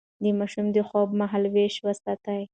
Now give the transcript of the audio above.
د ماشوم د خوب مهالويش وساتئ.